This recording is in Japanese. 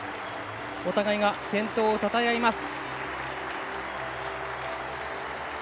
お互いが健闘をたたえあいます。